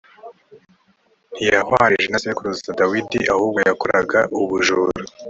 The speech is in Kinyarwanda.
ntiyahwanije na sekuruza dawidi ahubwo yakoraga ubujura.